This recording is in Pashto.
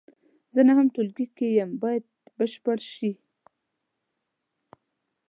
زه نهم ټولګي کې یم باید بشپړ شي.